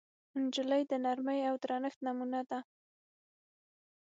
نجلۍ د نرمۍ او درنښت نمونه ده.